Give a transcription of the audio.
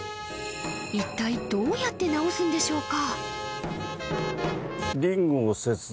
一体どうやって直すんでしょうか？